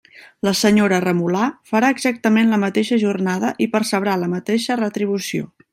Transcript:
La senyora Remolà farà exactament la mateixa jornada i percebrà la mateixa retribució.